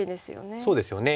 そうですよね。